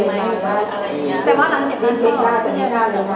ก็เป็นรถกรรมันนี่คือกรรมัน